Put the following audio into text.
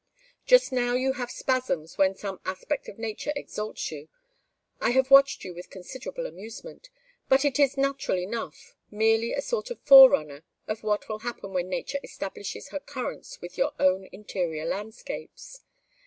Just now you have spasms when some aspect of nature exalts you. I have watched you with considerable amusement. But it is natural enough merely a sort of forerunner of what will happen when nature establishes her currents with your own interior landscapes.